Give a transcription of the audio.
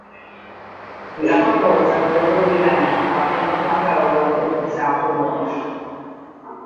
The upper course of river Lena crosses the plateau roughly from south to north.